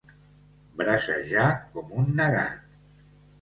Bracejar com un negat.